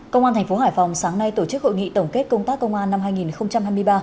công an thành phố hải phòng sáng nay tổ chức hội nghị tổng kết công tác công an năm hai nghìn hai mươi ba